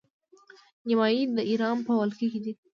نیمايي د ایران په ولکه کې دی.